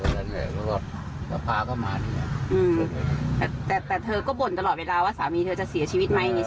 แต่เธอก็บ่นตลอดบิดาว่าสามีเธอจะเสียชีวิตไหม